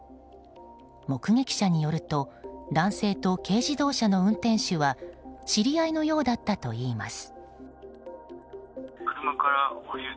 目撃者によると男性と軽自動車の運転手は知り合いのようだったといいます。